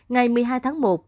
ngày một mươi hai tháng một